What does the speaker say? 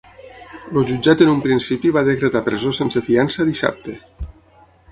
El jutjat en un principi va decretar presó sense fiança dissabte.